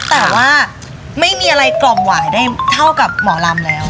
แต่ว่าไม่มีอะไรกล่อมหวายได้เท่ากับหมอลำแล้ว